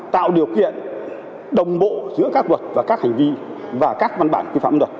tạo điều kiện đồng bộ giữa các luật và các hành vi và các văn bản quy phạm pháp luật